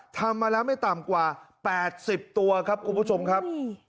ทำมาแล้วไม่ต่ำกว่า๘๐ตัวครับคุณผู้ชมครับ